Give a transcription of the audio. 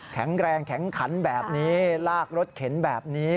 แข็งแรงแข็งขันแบบนี้ลากรถเข็นแบบนี้